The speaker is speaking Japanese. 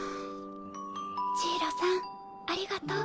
ジイロさんありがとう。